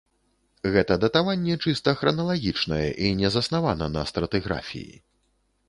Гэта датаванне чыста храналагічнае і не заснавана на стратыграфіі.